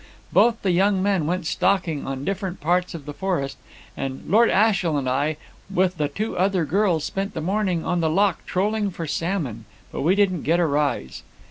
Both the young men went stalking on different parts of the forest, and Lord Ashiel and I, with the two other girls, spent the morning on the loch trolling for salmon; but we didn't get a rise.